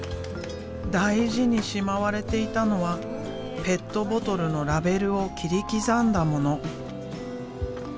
大事にしまわれていたのはペットボトルのラベルを切り刻んだもの。